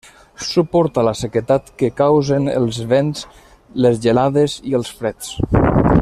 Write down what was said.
Suporta la sequedat que causen els vents, les gelades i els freds.